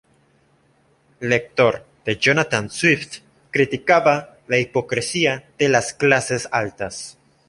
Lector de Jonathan Swift, criticaba la hipocresía de las clases altas.